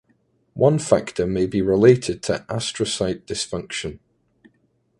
One factor may be related to astrocyte dysfunction.